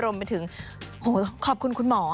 รวมไปถึงขอบคุณคุณหมอ